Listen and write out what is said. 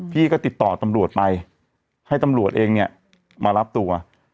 พี่ก็ติดต่อตำรวจไปให้ตำรวจเองเนี่ยมารับตัว